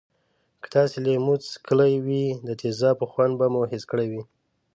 که تاسې لیمو څکلی وي د تیزابو خوند به مو حس کړی وی.